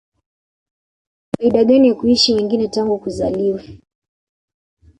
faida gani ya kuishi wengine tangu kuzaliwe